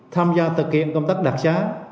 tham gia thực hiện công tác đặc sán